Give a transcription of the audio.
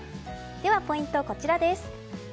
では、ポイントはこちらです。